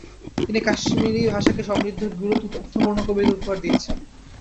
তিনি কাশ্মীরি ভাষাকে সমৃদ্ধ গূঢ় অর্থপূর্ণ কবিতা উপহার দিয়েছেন।